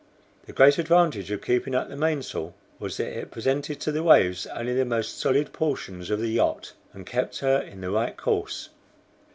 The great advantage of keeping up the mainsail was that it presented to the waves only the most solid portions of the yacht, and kept her in the right course.